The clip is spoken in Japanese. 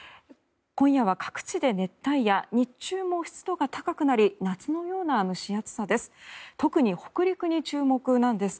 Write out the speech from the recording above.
今夜は各地で熱帯夜日中も湿度が高くなり夏のような蒸し暑さです。